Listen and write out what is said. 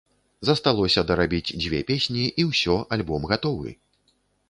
Засталося дарабіць дзве песні, і ўсё, альбом гатовы!